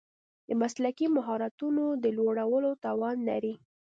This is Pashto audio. د مسلکي مهارتونو د لوړولو توان لري.